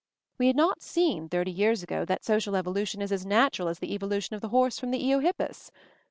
We had not seen, thirty years ago, that social evolution is as 'natural' as the evolution of the horse from the eohippus.